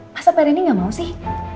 masa pak rendy gak mau sih